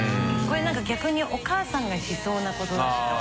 これ何か逆にお母さんがしそうなことだから。